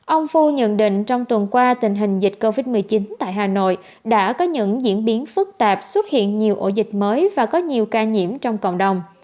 ông phu nhận định trong tuần qua tình hình dịch covid một mươi chín tại hà nội đã có những diễn biến phức tạp xuất hiện nhiều ổ dịch mới và có nhiều ca nhiễm trong cộng đồng